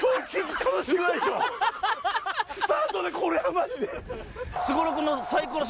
スタートでこれはマジで。